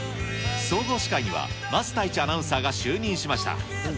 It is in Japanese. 総合司会には桝太一アナウンサーが就任しました。